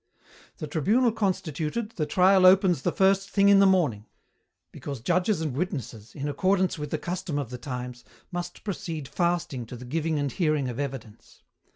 "The tribunal constituted, the trial opens the first thing in the morning, because judges and witnesses, in accordance with the custom of the times, must proceed fasting to the giving and hearing of evidence.